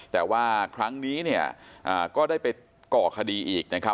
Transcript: แต่ว่าครั้งนี้ก็ได้ไปก่อคดีอีก